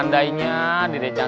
nah canja semuanya